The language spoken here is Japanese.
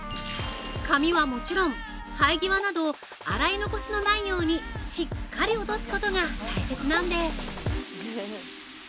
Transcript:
髪はもちろん、生え際など、洗い残しのないようにしっかり落とすことが大切なんです！